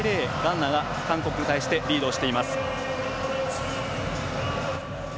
ガーナが韓国に対してリードしています。